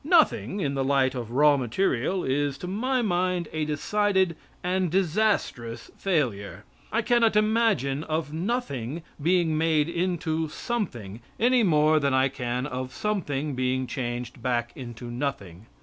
Nothing in the light of raw material, is, to my mind, a decided and disastrous failure. I cannot imagine of nothing being made into something, any more than I can of something being changed back into nothing.